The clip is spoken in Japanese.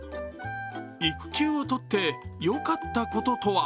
育休を取ってよかったこととは？